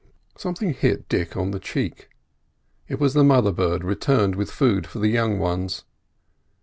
Something hit Dick on the cheek. It was the mother bird returned with food for the young ones.